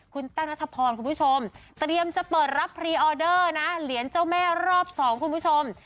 คุณแต้วนัทพรคุณผู้ชมเตรียมจะเปิดรับพรีออเดอร์นะเหรียญเจ้าแม่รอบ๒คุณผู้ชม